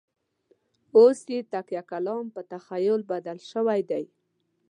اوس یې تکیه کلام په تخلص بدل شوی دی.